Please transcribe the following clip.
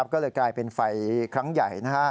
ก็เลยกลายเป็นไฟครั้งใหญ่